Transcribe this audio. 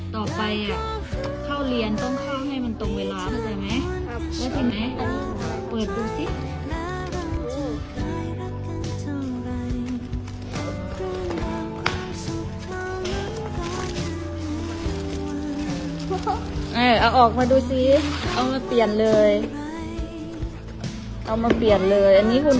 ต้องเข้าให้มันตรงเวลามันออกมาดูสิเอามาเปลี่ยนเลยเอามาเปลี่ยนเลยอันนี้คุณ